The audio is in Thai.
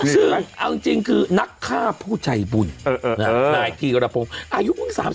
ซึ่งเอาจริงคือนักฆ่าผู้ใจบุญ